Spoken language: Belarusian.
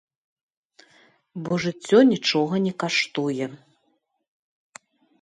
Бо жыццё нічога не каштуе.